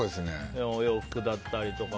洋服だったりとか。